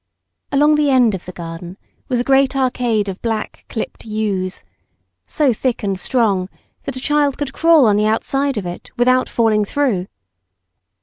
Along the end of the garden was a great arcade of black, clipped yews, so thick and strong that a child could crawl on the outside of it without falling through.